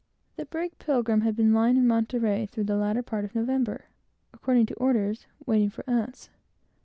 The brig Pilgrim had been lying in Monterey through the latter part of November, according to orders, waiting for us.